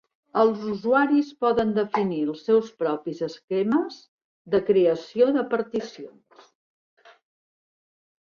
Els usuaris poden definir els seus propis esquemes de creació de particions.